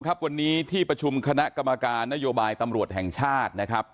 ครับวันนี้ที่ประชุมคณะกรรมการนโยบายตำรวจแห่งชาตินะครับ